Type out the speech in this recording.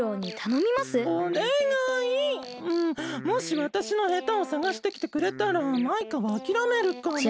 もしわたしのヘタをさがしてきてくれたらマイカはあきらめるから。